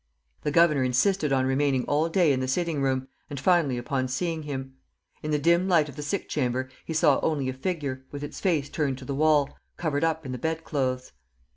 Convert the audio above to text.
The governor insisted on remaining all day in the sitting room, and finally upon seeing him. In the dim light of the sick chamber he saw only a figure, with its face turned to the wall, covered up in the bed clothes.